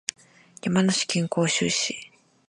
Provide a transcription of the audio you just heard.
山梨県甲州市